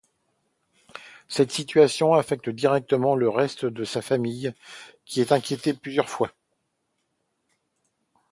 Cette situation affecte directement le reste de sa famille qui est inquiétée plusieurs fois.